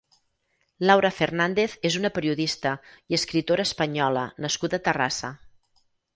Laura Fernández és una periodista i escritora española nascuda a Terrassa.